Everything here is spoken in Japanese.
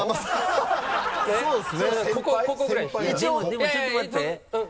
でもちょっと待って。